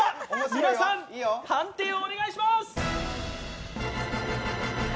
皆さん判定をお願いします。